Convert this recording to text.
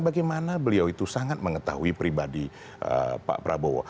bagaimana beliau itu sangat mengetahui pribadi pak prabowo